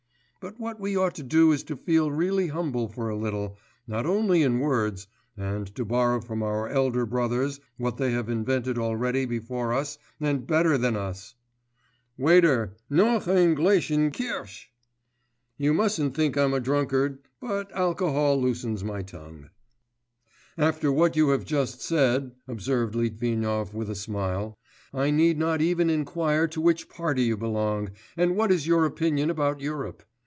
But what we ought to do is to feel really humble for a little not only in words and to borrow from our elder brothers what they have invented already before us and better than us! Waiter, noch ein Gläschen Kirsch! You mustn't think I'm a drunkard, but alcohol loosens my tongue.' 'After what you have just said,' observed Litvinov with a smile, 'I need not even inquire to which party you belong, and what is your opinion about Europe.